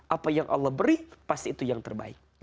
apa yang allah beri pasti itu yang terbaik